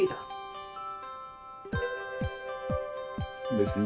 別に。